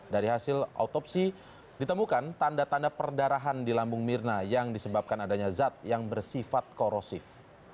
dari hasil autopsi ditemukan tanda tanda perdarahan di lambung mirna yang disebabkan adanya zat yang bersifat korosif